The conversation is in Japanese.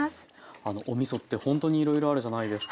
あのおみそってほんとにいろいろあるじゃないですか。